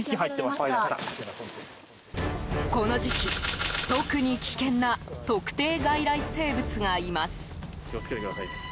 この時期、特に危険な特定外来生物がいます。